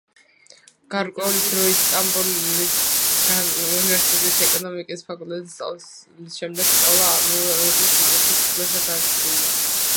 გარკვეული დრო სტამბოლის უნივერსიტეტის ეკონომიკის ფაკულტეტზე სწავლის შემდეგ, სწავლა ამავე უნივერსიტეტის ლიტერატურის ფაკულტეტზე გააგრძელა.